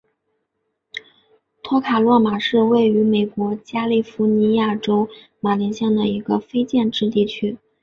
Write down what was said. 托卡洛马是位于美国加利福尼亚州马林县的一个非建制地区。